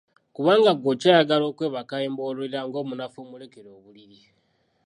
Kubanga ggwe okyayagala okwebaka embooleera ng’omunafu omulekere obuliri.